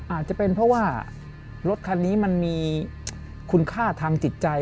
อาจจะเป็นเพราะว่ารถคันนี้มันมีคุณค่าทางจิตใจ